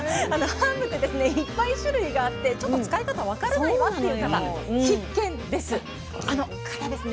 ハーブっていっぱい種類があってちょっと使い方分からないわという方必見です。